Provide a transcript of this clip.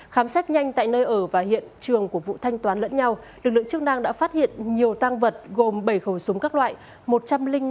khám xét nhanh tại nơi ở và hiện trường của vụ thanh toán lẫn nhau lực lượng chức năng đã phát hiện nhiều tăng vật gồm bảy khẩu súng các loại